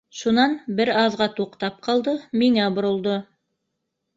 Шунан бер аҙға туҡтап ҡалды, миңә боролдо.